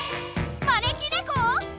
まねきねこ！？